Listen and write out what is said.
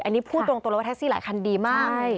อันนี้พูดตรงเลยว่าแท็กซี่หลายคันดีมาก